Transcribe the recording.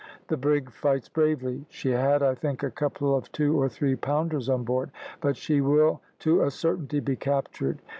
The brig fights bravely; she had, I think, a couple of two or three pounders on board, but she will to a certainty be captured.